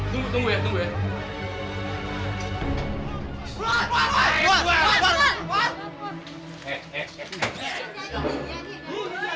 tunggu ya tunggu ya